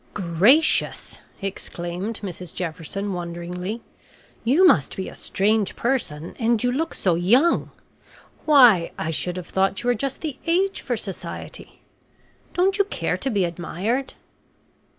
"Gracious!" exclaimed Mrs Jefferson wonderingly. "You must be a strange person, and you look so young. Why, I should have thought you were just the age for society? Don't you care to be admired?"